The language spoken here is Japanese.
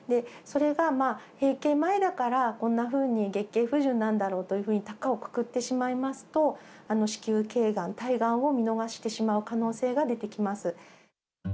それが閉経前だからこんなふうに月経不順なんだろうというふうにたかをくくってしまいますと、子宮けいがん、体がんを見逃してしまう可能性が出てきます。